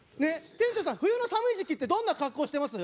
店長さん冬の寒い時期ってどんな格好してます？